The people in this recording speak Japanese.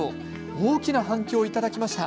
大きな反響をいただきました。